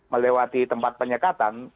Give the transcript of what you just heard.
melewati tempat penyekatan